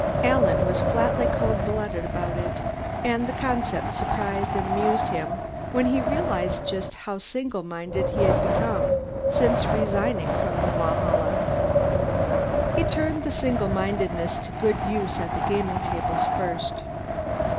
Alan was flatly cold blooded about it, and the concept surprised and amused him when he realized just how single minded he had become since resigning from the Valhalla. He turned the single mindedness to good use at the gaming tables first.